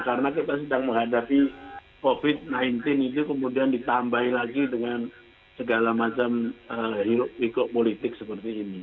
karena kita sedang menghadapi covid sembilan belas itu kemudian ditambah lagi dengan segala macam hukum politik seperti ini